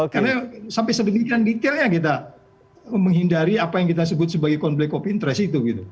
karena sampai sedikit detailnya kita menghindari apa yang kita sebut sebagai konflik kopi interasi itu gitu